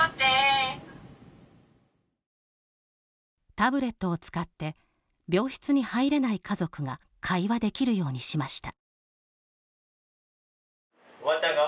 タブレットを使って病室に入れない家族が会話できるようにしました。